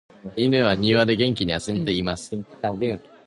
犬は庭で元気に遊んでいます。